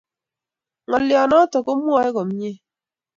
Ngaliot notok ko mwae komie